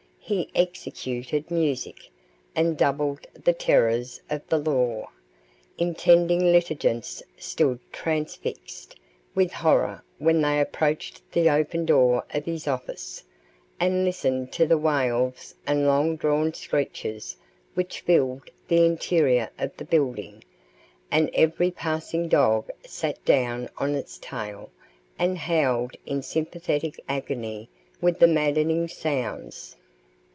He executed music, and doubled the terrors of the law. Intending litigants stood transfixed with horror when they approached the open door of his office, and listened to the wails and long drawn screeches which filled the interior of the building; and every passing dog sat down on its tail, and howled in sympathetic agony with the maddening sounds.